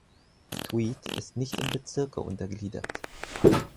Tweed ist nicht in Bezirke untergliedert.